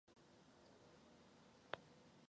Mojžíš se tedy vrátil do Egypta.